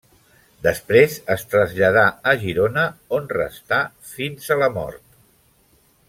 Després es traslladà a Girona, on restà fins a la mort.